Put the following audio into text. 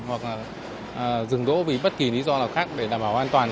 hoặc là dừng đỗ vì bất kỳ lý do nào khác để đảm bảo an toàn